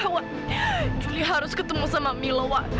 wak julie harus ketemu sama milo wak